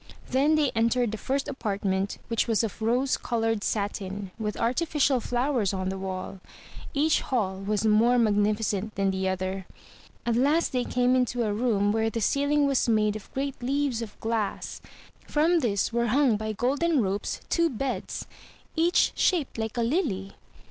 Then they entered the first apartment which was of rose colored satin, with arti ficial flowers on the wall. Each hall was more magnificent than the other. At last they came into a room where the ceiling was made of great leaves of glass; from this were hung by golden ropes two beds, each shaped like a lily.